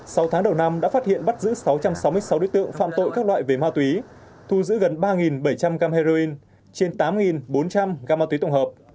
sau tháng đầu năm đã phát hiện bắt giữ sáu trăm sáu mươi sáu đối tượng phạm tội các loại về ma túy thu giữ gần ba bảy trăm linh g heroin trên tám bốn trăm linh g ma túy tổng hợp